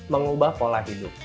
mengubah pola hidup